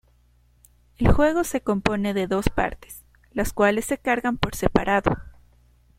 El juego se compone de dos partes, las cuales se cargan por separado.